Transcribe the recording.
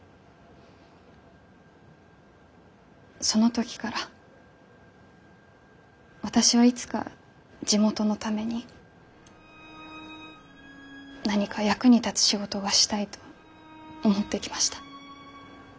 その時から私はいつか地元のために何か役に立つ仕事がしたいと思ってきました。